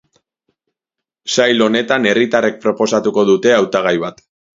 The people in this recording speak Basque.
Sail honetan herritarrek proposatuko dute hautagai bat.